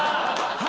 はい！